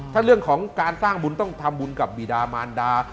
ถ้าเรื่องของการสร้างบุญต้องทำบุญกับบีดามารดา